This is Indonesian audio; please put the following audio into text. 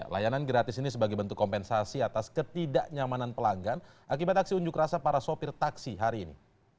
layanan gratis ini sebagai bentuk kompensasi atas ketidaknyamanan pelanggan akibat aksi unjuk rasa para sopir taksi hari ini